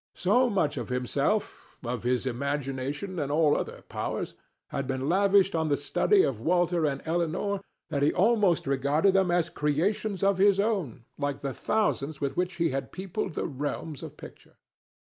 So much of himself—of his imagination and all other powers—had been lavished on the study of Walter and Elinor that he almost regarded them as creations of his own, like the thousands with which he had peopled the realms of Picture.